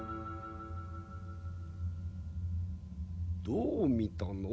どう見たな？